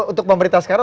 untuk pemerintah sekarang